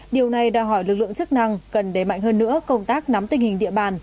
điều này đòi hỏi lực lượng chức năng cần đẩy mạnh hơn nữa công tác nắm tình hình địa bàn